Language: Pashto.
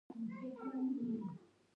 د موټروان سترګې باید د شپې لپاره روښانه وي.